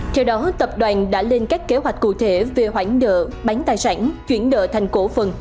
theo đó tập đoàn đã lên các kế hoạch cụ thể về hoãn nợ bán tài sản chuyển nợ thành cổ phần